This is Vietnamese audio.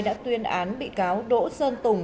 đã tuyên án bị cáo đỗ sơn tùng